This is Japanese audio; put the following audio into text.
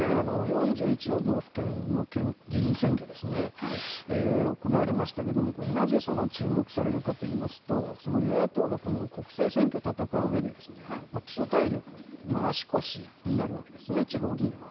４１の道府県の議員選挙ですね、行われましたけれども、なぜ注目されるかといいますと、与野党が今後、国政選挙を戦ううえで、基礎体力、足腰になるわけですね、地方議員は。